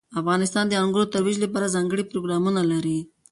افغانستان د انګورو د ترویج لپاره ځانګړي پروګرامونه لري.